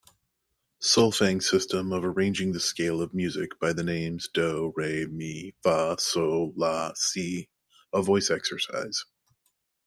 Solfaing system of arranging the scale of music by the names do, re, mi, fa, sol, la, si a voice exercise.